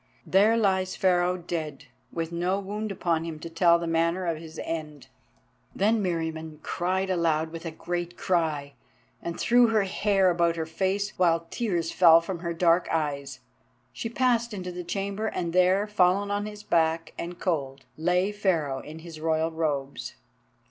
There lies Pharaoh dead, and with no wound upon him to tell the manner of his end." Then Meriamun cried aloud with a great cry, and threw her hair about her face, while tears fell from her dark eyes. She passed into the chamber, and there, fallen on his back and cold, lay Pharaoh in his royal robes.